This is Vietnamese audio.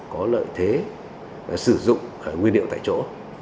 có lợi thế sử dụng nguyên liệu tại chỗ